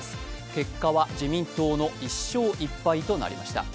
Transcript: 結果は自民党の１勝１敗となりました。